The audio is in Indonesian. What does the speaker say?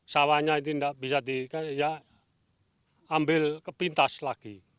sawahnya itu tidak bisa diambil ke pintas lagi